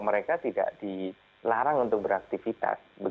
mereka tidak dilarang untuk beraktivitas